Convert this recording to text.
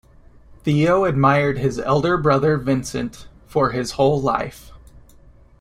Theo admired his elder brother Vincent for his whole life.